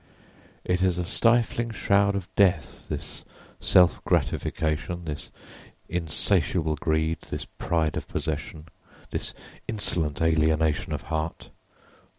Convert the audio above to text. ] It is a stifling shroud of death, this self gratification, this insatiable greed, this pride of possession, this insolent alienation of heart.